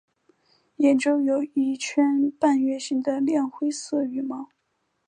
眼周有一圈半月形的亮灰色羽毛。